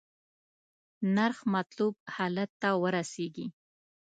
نرخ مطلوب حالت ته ورسیږي.